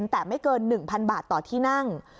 แต่ไม่เกิน๑๐๐๐บาทต่อที่นั่ง